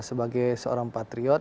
sebagai seorang patriot